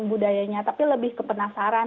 budayanya tapi lebih kepenasaran